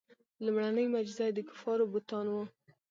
لومړنۍ معجزه یې د کفارو بتان وو.